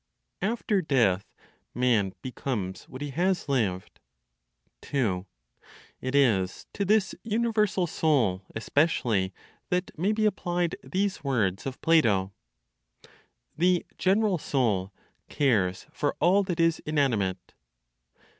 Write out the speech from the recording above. AFTER DEATH, MAN BECOMES WHAT HE HAS LIVED. 2. It is to this (universal) Soul especially that may be applied these words of Plato: "The general Soul cares for all that is inanimate."